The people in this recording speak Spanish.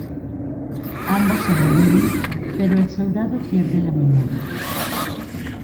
Ambos sobreviven, pero el soldado pierde la memoria.